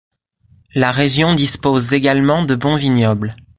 La région dispose également de bons vignobles.